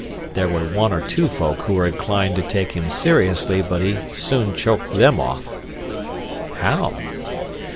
There were one or two folk who were inclined to take him seriously, but he soon choked them off." "How?"